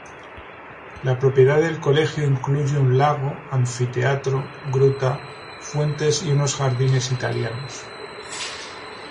La propiedad del colegio incluye un lago, anfiteatro, gruta, fuentes y unos jardines italianos.